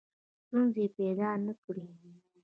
ستونزې پیدا نه کړي.